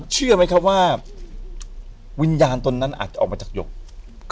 เชื่อไหมครับว่าวิญญาณตนนั้นอาจจะออกมาจากหยก